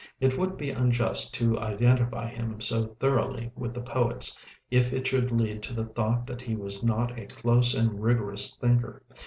It would be unjust to identify him so thoroughly with the poets if it should lead to the thought that he was not a close and rigorous thinker.